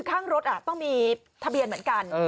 ข้างรถต้องมีทะเบียนเหมือนกัน